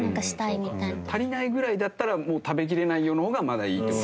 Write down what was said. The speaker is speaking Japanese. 足りないぐらいだったら「食べきれないよ」の方がまだいいって事。